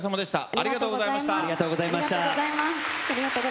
ありがとうございます。